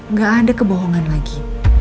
nggak ada kebohongan lagi